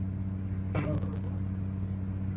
তাহলে তুমি কখনই বুঝতে পারবেন না তুমি কার জন্য কাজ করছো।